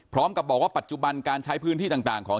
พร้อมกับบอกว่าปัจจุบันการใช้พื้นที่ต่างของ